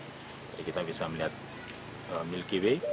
jadi kita bisa melihat milky way